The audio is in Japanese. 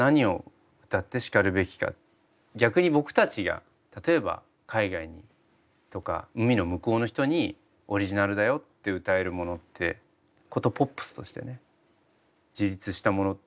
逆に僕たちが例えば海外にとか海の向こうの人にオリジナルだよって歌えるものって殊ポップスとしてね自立したもの